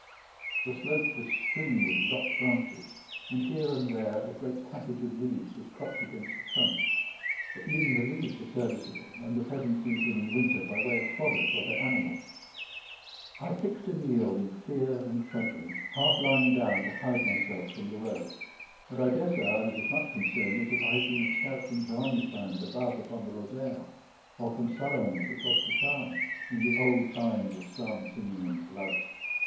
The slope was strewn with lopped branches, and here and there a great package of leaves was propped against a trunk; for even the leaves are serviceable, and the peasants use them in winter by way of fodder for their animals. I picked a meal in fear and trembling, half lying down to hide myself from the road; and I daresay I was as much concerned as if I had been a scout from Joani's band above upon the Lozère, or from Salomon's across the Tarn, in the old times of psalm singing and blood.